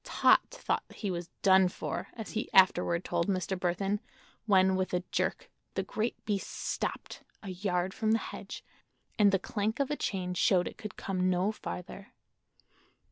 Tot thought he was "done for," as he afterward told Mr. Burthon, when with a jerk the great beast stopped—a yard from the hedge—and the clank of a chain showed it could come no farther.